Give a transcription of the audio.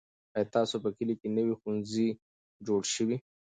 آیا ستاسو په کلي کې نوی ښوونځی جوړ سو؟